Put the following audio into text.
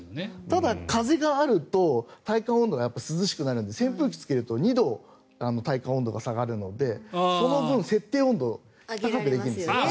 ただ、風があると体感温度が涼しくなるので扇風機つけると２度、体感温度が下がるのでその分、設定温度を高くできるんですよね。